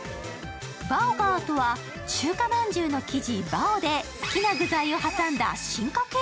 バーガーとは中華まんじゅうの生地・バオで好きな具材を挟んだ進化系